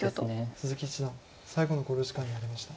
鈴木七段最後の考慮時間に入りました。